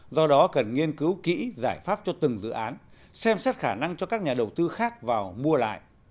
do đó cần nghiên cứu kỹ giải pháp cho từng dự án xem xét khả năng cho các nhà đầu tư khác vào mua lại